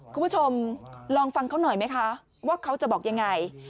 คุณผู้ชมลองฟังเขาหน่อยไหมคะว่าเขาจะบอกยังไง